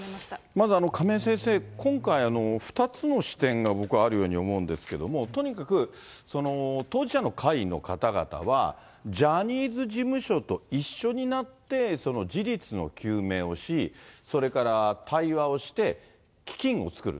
まず亀井先生、今回２つの視点が僕、あるように思うんですけど、とにかく当事者の会の方々は、ジャニーズ事務所と一緒になって、事実の究明をし、それから対話をして、基金を作る。